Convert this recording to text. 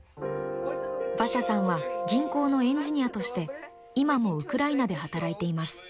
ヴァシャさんは銀行のエンジニアとして今もウクライナで働いています。